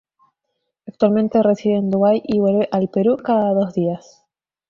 Actualmente reside en Dubai y vuelve al Perú cada dos días.